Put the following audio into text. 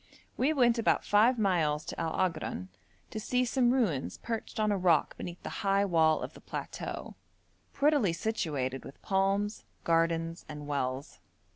We went about five miles to Al Agran to see some ruins perched on a rock beneath the high wall of the plateau, prettily situated with palms, gardens, and wells.